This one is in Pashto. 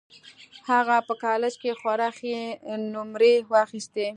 هغه په کالج کې خورا ښې نومرې واخيستې